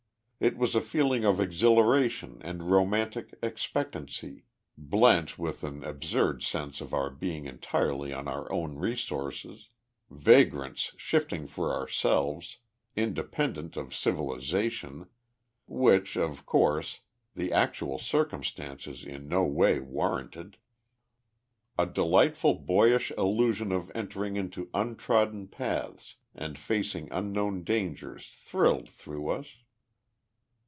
It was a feeling of exhilaration and romantic expectancy, blent with an absurd sense of our being entirely on our own resources, vagrants shifting for ourselves, independent of civilization; which, of course, the actual circumstances in no way warranted. A delightful boyish illusion of entering on untrodden paths and facing unknown dangers thrilled through us.